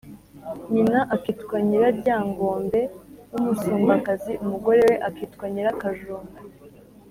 nyina akitwa Nyiraryangombe w’umusumbakazi, umugore we akitwa Nyirakajumba